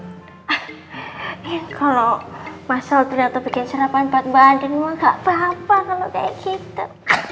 hah ya kalo mas alin tuh yang bikin sarapan buat mbak andin mah gak apa apa kalo kayak gitu